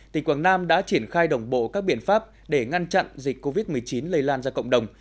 tỉnh quảng nam đã triển khai đồng bộ các biện pháp để ngăn chặn dịch covid một mươi chín lây lan ra cộng đồng